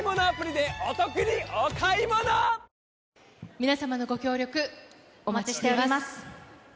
皆様のご協力、お待ちしております。